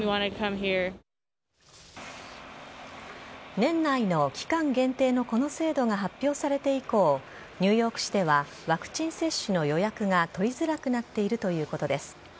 年内の期間限定のこの制度が発表されて以降、ニューヨーク市では、ワクチン接種の予約が取りづらくなっているということです。